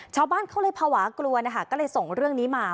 ชาวบ้านเขาเลยภาวะกลัวนะคะก็เลยส่งเรื่องนี้มา